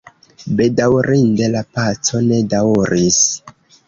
Bedaŭrinde la paco ne daŭris.